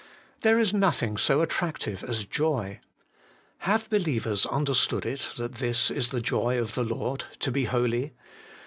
There is nothing so attractive as joy : have believers understood it that this is the joy of the Lord to be holy